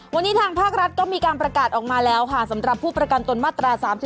วันนี้ทางภาครัฐก็มีการประกาศออกมาแล้วค่ะสำหรับผู้ประกันตนมาตรา๓๔